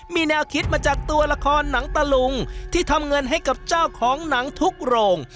มีแนวคิดมาจากตัวละครหนังตะลุงที่ทำเงินให้กับเจ้าของหนังทุกโรง